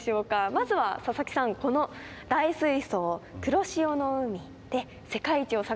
まずは佐々木さんこの大水槽「黒潮の海」で世界一を探しましょうか。